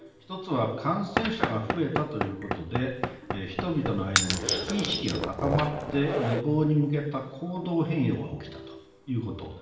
１つは感染者が増えたということで人々の間に危機意識が高まって予防に向けた行動変容が起きたということ。